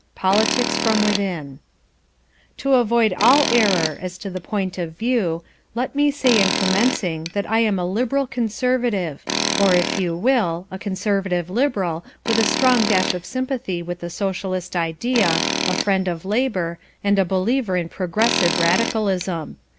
Politics from Within To avoid all error as to the point of view, let me say in commencing that I am a Liberal Conservative, or, if you will, a Conservative Liberal with a strong dash of sympathy with the Socialist idea, a friend of Labour, and a believer in Progressive Radicalism.